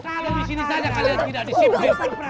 kalau di sini saja kalian tidak disiplin